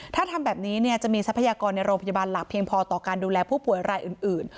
ถ้าทำแบบนี้จะมีทรัพยากรในโรงพยาบาลหลักเพียงพอต่อการดูแลผู้ป่วยรายอื่น